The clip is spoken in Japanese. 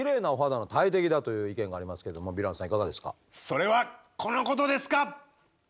それはこのことですか？